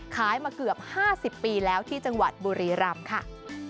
ขายมาเกือบ๕๐ปีแล้วที่จังหวัดบุรีรำค่ะ